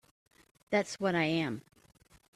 That's what I am.